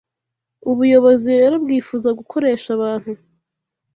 Ubuyobozi rero bwifuza gukoresha abantu